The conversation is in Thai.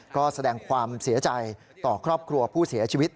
ก็แสดงความเสียใจต่อครอบครัวผู้เสียชีวิต